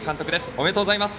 おめでとうございます。